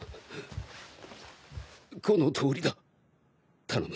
この通りだ頼む。